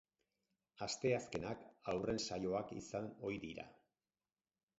Asteazkenak haurren saioak izan ohi dira.